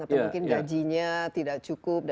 atau mungkin gajinya tidak cukup